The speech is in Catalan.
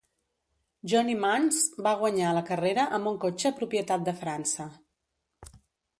Johnny Mantz va guanyar la carrera amb un cotxe propietat de França.